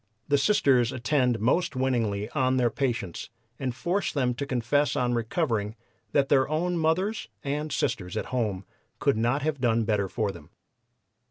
The Sisters attend most winningly on their patients and force them to confess on recovering that their own mothers and sisters at home could not have done better for them.